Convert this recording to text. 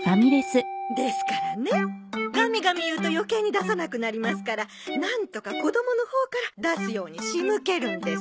ですからねガミガミ言うと余計に出さなくなりますからなんとか子どものほうから出すように仕向けるんです。